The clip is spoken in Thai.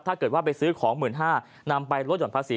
ถ้าเกิดว่าไปซื้อของ๑๕๐๐นำไปลดห่อนภาษี